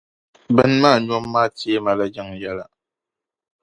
Bini maa nyom maa, teema la yiŋ yela.